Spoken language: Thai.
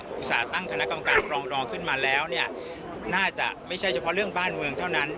อุตส่าห์ตั้งคณะกรรมการปรองดองขึ้นมาแล้วเนี่ยน่าจะไม่ใช่เฉพาะเรื่องบ้านเมืองเท่านั้น